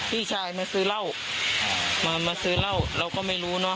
พี่ชายมาซื้อเหล้ามามาซื้อเหล้าเราก็ไม่รู้เนอะ